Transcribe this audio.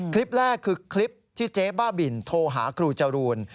คลิปแรกคือคลิปที่เจ๊บ้าบินโทรหาครูจรูน